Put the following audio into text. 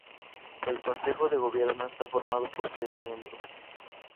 El consejo de gobierno está formado por tres miembros.